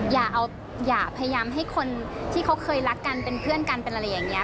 อย่าพยายามให้คนที่เขาเคยรักกันเป็นเพื่อนกันเป็นอะไรอย่างนี้